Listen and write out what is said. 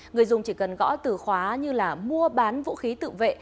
người dùng chỉ cần gõ từ khóa như là mua bán vũ khí tự vệ